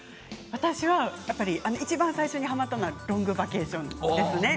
私はいちばん最初にはまったのは「ロングバケーション」ですね。